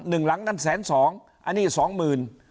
๑หลังนั้น๑๒๐๐บาทอันนี้๒๐๐๐๐บาท